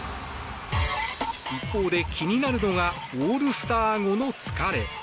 一方で気になるのがオールスター後の疲れ。